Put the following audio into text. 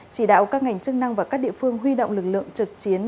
chỉ đạo các ngành chức năng và các địa phương huy động lực lượng trực chiến